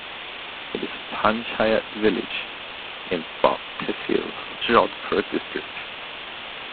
It is a panchayat village in Bap tehsil of Jodhpur District.